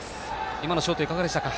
今のショートいかがでしたか？